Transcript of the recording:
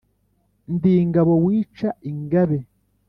ndi ingabo wica ingabe.